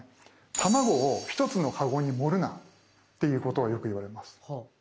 「卵を一つのカゴに盛るな」っていうことをよく言われます。